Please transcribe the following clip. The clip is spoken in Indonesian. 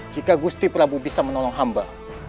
jika gusti prabu bisa menolong hamba